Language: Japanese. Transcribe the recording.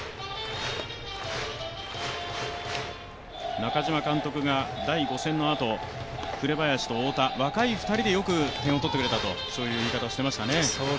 中嶋監督が第５戦のあと紅林と太田、若い２人でよく点を取ってくれたという言い方をしていましたね。